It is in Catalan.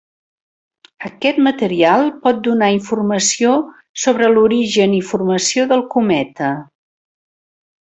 Aquest material pot donar informació sobre l'origen i formació del cometa.